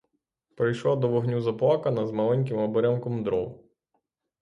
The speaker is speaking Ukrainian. Прийшла до вогню заплакана, з маленьким оберемком дров.